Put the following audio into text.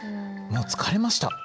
もう疲れました。